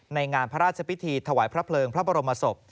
ในงานพระราชพิธีถวายพระเพลิงพระบรมศพ